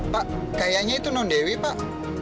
pak kayaknya itu non dewi pak